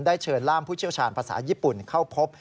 เชิญล่ามผู้เชี่ยวชาญภาษาญี่ปุ่นเข้าพบ